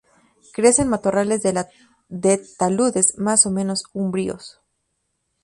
Crece en matorrales de taludes más o menos umbríos.